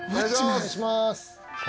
お願いします。